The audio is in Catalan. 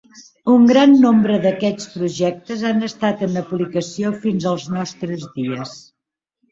Un gran nombre d'aquests projectes han estat en aplicació fins als nostres dies.